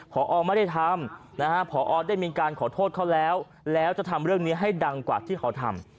พอไม่ได้ทำนะฮะพอได้มีการขอโทษเขาแล้วแล้วจะทำเรื่องนี้ให้ดังกว่าที่เขาทำ